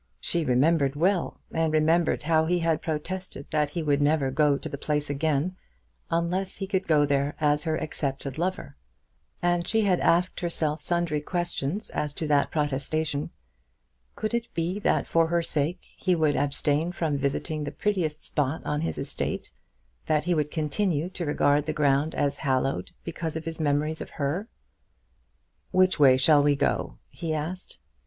She remembered well, and remembered how he had protested that he would never go to the place again unless he could go there as her accepted lover. And she had asked herself sundry questions as to that protestation. Could it be that for her sake he would abstain from visiting the prettiest spot on his estate, that he would continue to regard the ground as hallowed because of his memories of her? "Which way shall we go?" he asked.